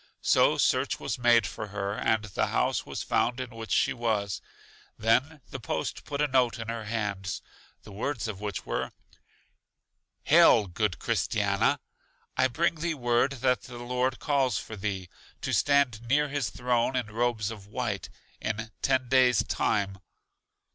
So search was made for her, and the house was found in which she was. Then the post put a note in her hands, the words of which were: Hail, good Christiana! I bring thee word that the Lord calls for thee, to stand near His throne in robes of white, in ten days' time.